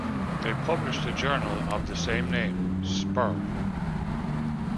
They published a journal of the same name "Spur".